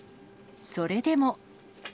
それでも。